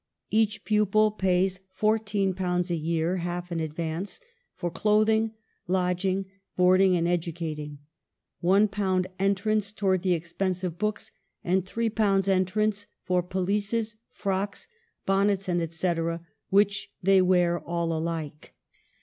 "Each pupil pays ,£14 a year (half in advance) for clothing, lodging, boarding, and educating ; ,£1 entrance towards the expense of books, and £5 entrance for pelisses, frocks, bonnets, &c, which they wear all alike.